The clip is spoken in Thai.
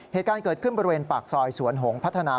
เหตุการณ์เกิดขึ้นบริเวณปากซอยสวนหงษพัฒนา